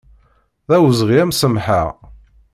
D awezɣi ad m-samḥeɣ.